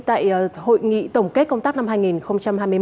tại hội nghị tổng kết công tác năm hai nghìn hai mươi ba